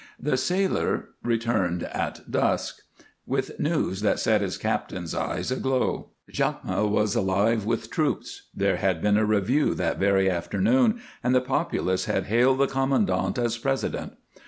The sailor returned at dusk with news that set his captain's eyes aglow. Jacmel was alive with troops; there had been a review that very afternoon and the populace had hailed the commandant as President.